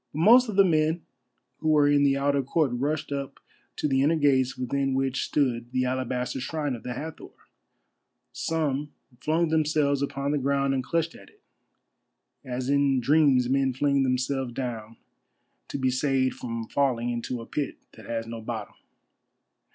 But most of the men who were in the outer court rushed up to the inner gates within which stood the alabaster shrine of the Hathor. Some flung themselves upon the ground and clutched at it, as in dreams men fling themselves down to be saved from falling into a pit that has no bottom.